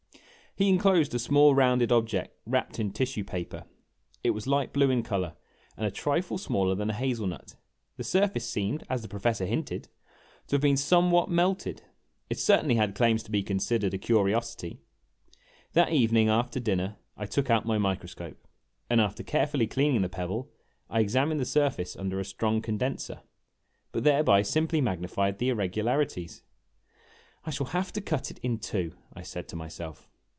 He inclosed a small rounded object wrapped in tissue paper. It was light blue in color and a trifle smaller than a hazel nut. The surface seemed, as the Professor hinted, to have been some what melted. It certainly had claims to be considered a curiosity. That evening, after dinner, I took out my microscope, and after carefully cleaning the pebble, I examined the surface under a strong 1 ,% Mi . ml lz \' a v^. 68 IMAGINOTIONS condenser, but thereby simply magnified the irregularities. " I shall have to cut it in two," I said to myself.